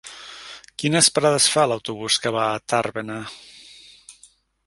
Quines parades fa l'autobús que va a Tàrbena?